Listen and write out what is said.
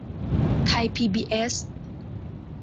ไทยพีบีเอส